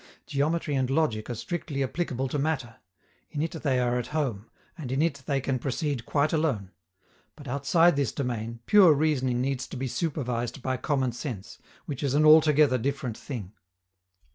Geometry and logic are strictly applicable to matter; in it they are at home, and in it they can proceed quite alone. But, outside this domain, pure reasoning needs to be supervised by common sense, which is an altogether different thing.